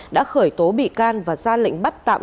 đã khởi tố bị can và ra lệnh bắt tạm